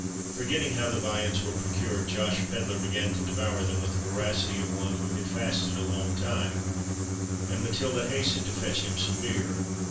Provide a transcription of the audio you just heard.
Forgetting how the viands were procured, Josh Pedler began to devour them with the voracity of one who had fasted a long time; and Matilda hastened to fetch him some beer.